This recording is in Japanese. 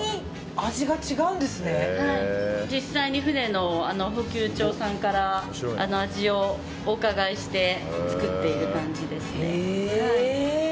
実際に船の補給長さんから味をお伺いして作っている感じです。